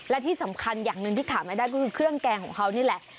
และที่สำคัญอย่างหนึ่งที่ขาดไม่ได้ก็คือเครื่องแกงของเขานี่แหละ